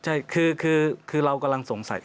ใช่คือเรากำลังสงสัย